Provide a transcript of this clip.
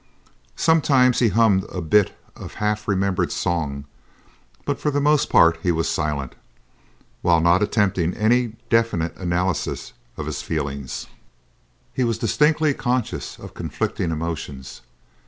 Sometimes he hummed a bit of half remembered song, but for the most part he was silent. While not attempting any definite analysis of his feelings, he was distinctly conscious of conflicting emotions.